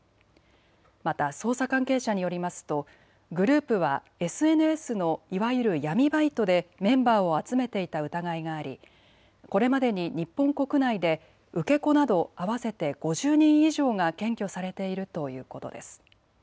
また捜査関係者によりますとグループはＳＮＳのいわゆる闇バイトでメンバーを集めていた疑いがありこれまでに日本国内で受け子など合わせて５０人以上が検挙されているということです。